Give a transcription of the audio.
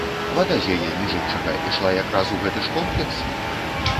Вада з яе, між іншага, ішла якраз у гэты ж комплекс?